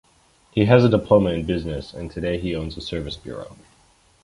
He has a diploma in Business, and today he owns a service bureau.